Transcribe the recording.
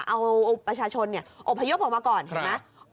เอาประชาชนอบพยพออกมาก่อนเห็นไหม